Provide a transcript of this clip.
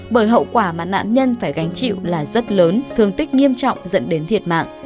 bởi hậu quả mà nạn nhân phải gánh chịu là rất lớn thương tích nghiêm trọng dẫn đến thiệt mạng